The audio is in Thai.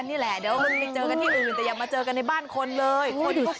น่าจะปล่อยไว้ใกล้กันนี่แหละ